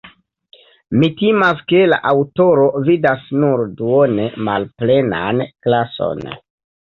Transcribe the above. Mi timas, ke la aŭtoro vidas nur duone malplenan glason.